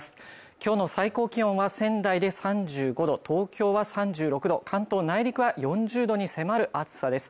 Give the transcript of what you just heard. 今日の最高気温は仙台で３５度東京は３６度関東内陸は４０度に迫る暑さです